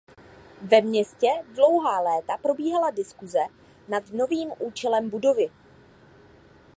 Ve městě dlouhá léta probíhala diskuse nad novým účelem budovy.